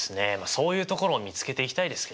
そういうところを見つけていきたいですけどね。